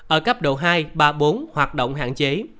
ở cấp độ hai ba bốn hoạt động hạn chế